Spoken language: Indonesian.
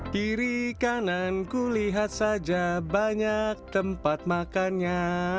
kiri kanan ku lihat saja banyak tempat makannya